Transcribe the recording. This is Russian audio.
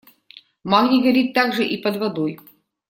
Магний горит также и под водой.